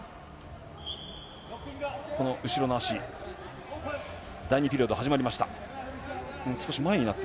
この後ろの足第２ピリオド始まりました。